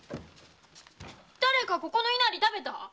誰かここの稲荷食べた？